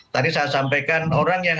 tadi saya sampaikan orang yang